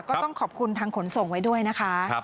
ก็ต้องขอบคุณทางขนส่งไว้ด้วยนะคะ